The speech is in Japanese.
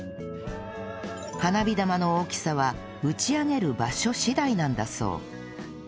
花火玉の大きさは打ち上げる場所次第なんだそう